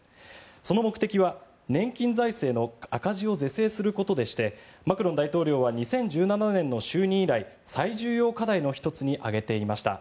その目的は年金財政の赤字を是正することでしてマクロン大統領は２０１７年の就任以来最重要課題の１つに挙げていました。